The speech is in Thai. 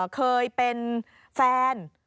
เคยเป็นแฟน